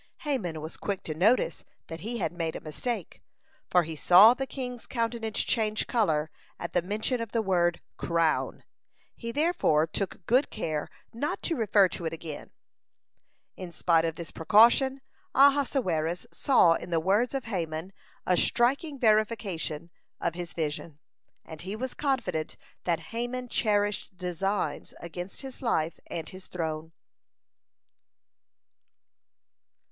Haman was quick to notice that he had made a mistake, for he saw the king's countenance change color at the mention of the word crown. He therefore took good care not to refer to it again. In spite of this precaution, Ahasuerus saw in the words of Haman a striking verification of his vision, and he was confident that Haman cherished designs against his life and his throne.